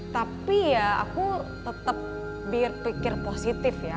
tapi ya aku tetap berpikir positif ya